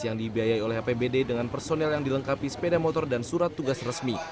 yang dibiayai oleh apbd dengan personel yang dilengkapi sepeda motor dan surat tugas resmi